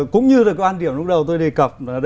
cũng như là quan điểm lúc đầu tôi đề cập